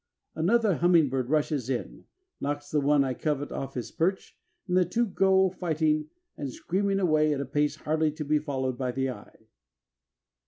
Another hummingbird rushes in, knocks the one I covet off his perch, and the two go fighting and screaming away at a pace hardly to be followed by the eye.